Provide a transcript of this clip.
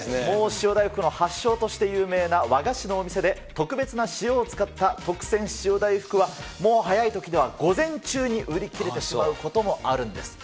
塩大福の発祥として有名な和菓子のお店で、特別な塩を使った特選塩大福は、もう早いときには午前中に売り切れてしまうこともあるんです。